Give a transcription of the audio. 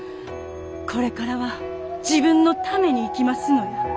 これからは自分のために生きますのや。